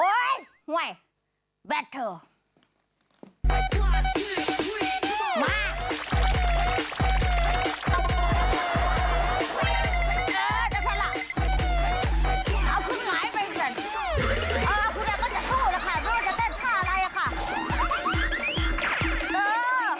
เออจะสลักเอาครึ่งหลายไปเหมือนเออคุณแดกก็จะสู้นะคะดูจะเต้นท่าอะไรล่ะค่ะ